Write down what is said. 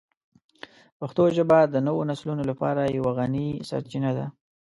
پښتو ژبه د نوو نسلونو لپاره یوه غني سرچینه ده.